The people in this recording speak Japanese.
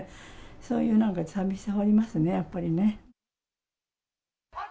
そういうなんか寂しさはありますね、やっぱりね。